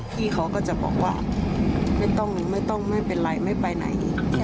พี่เขาก็จะบอกว่าไม่ต้องไม่เป็นไรไม่ไปไหน